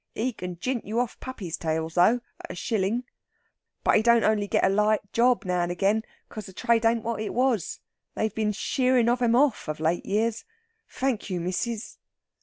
He can jint you off puppies' tails, though, at a shillin'. But he don't only get a light job now and again, 'cos the tride ain't wot it was. They've been shearin' of 'em off of late years. Thank you, missis."